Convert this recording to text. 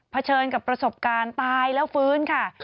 เฉินกับประสบการณ์ตายแล้วฟื้นค่ะ